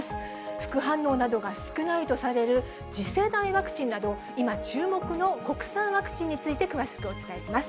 副反応などが少ないとされる次世代ワクチンなど、今、注目の国産ワクチンについて詳しくお伝えします。